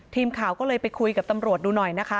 ทีมข่าวก็เลยไปคุยกับตำรวจดูหน่อยนะคะ